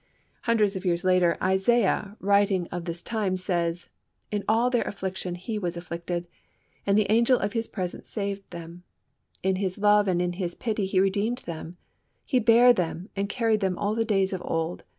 Hundreds of years later, Isaiah, writing of this time, says: "In all their affliction He was afflicted, and the angel of His presence saved them; in His love and in His pity He redeemed them; and He bare them, and carried them all the days of old.